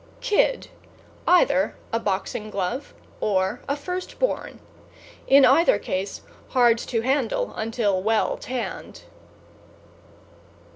=KID= Either a boxing glove or a first born. In either case, hard to handle until well tanned.